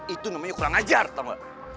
itu namanya kurang ajar tau gak